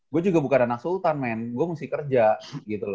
gue juga bukan anak sultan men gue mesti kerja gitu loh